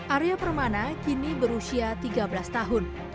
arya permana kini berusia tiga belas tahun